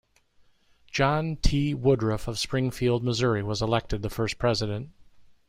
John T. Woodruff of Springfield, Missouri was elected the first president.